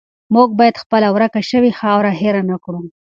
موږ باید خپله ورکه شوې خاوره هیره نه کړو.